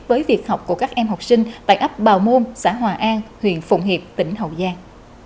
với việc học của các em học sinh tại ấp bào môn xã hòa an huyện phụng hiệp tỉnh hậu giang